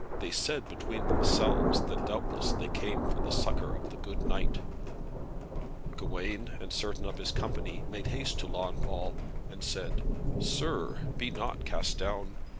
They said between themselves that doubtless they came for the succour of the good knight. Gawain, and certain of his company, made haste to Launfal, and said, "Sir, be not cast down.